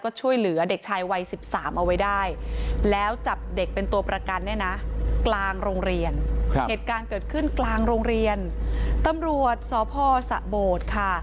ขึ้นกลางโรงเรียนตำรวจสพสะโบดค่ะ